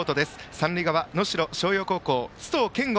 三塁側、能代松陽高校須藤健吾